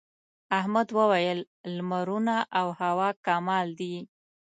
احمد وويل: لمرونه او هوا کمال دي.